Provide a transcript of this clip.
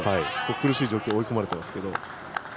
苦しい状況に追い込まれていますが。